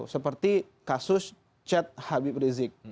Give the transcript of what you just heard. seperti kasus chat habib rizik